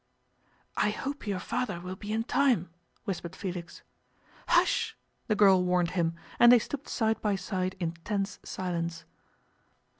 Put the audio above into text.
'I hope your father will be in time,' whispered Felix 'Hush!' the girl warned him, and they stooped side by side in tense silence.